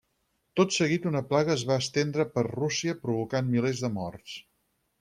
Tot seguit una plaga es va estendre per Rússia provocant milers de morts.